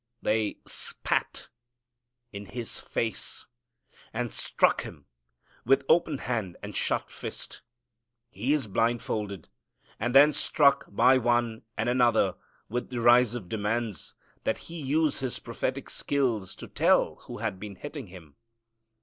They spat in His face, and struck Him, with open hand and shut fist. He is blind folded, and then struck by one and another with derisive demands that He use His prophetic skill to tell who had been hitting Him.